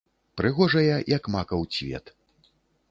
Прыгожая, як макаў цвет.